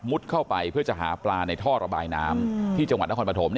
เข้าไปเพื่อจะหาปลาในท่อระบายน้ำที่จังหวัดนครปฐม